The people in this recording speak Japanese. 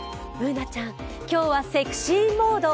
Ｂｏｏｎａちゃん、今日はセクシーモード。